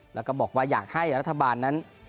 แล้วก็บอกว่าอยากให้รัฐบาลนั้น